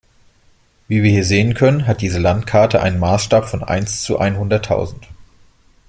Wie wir hier sehen können, hat diese Landkarte einen Maßstab von eins zu einhunderttausend.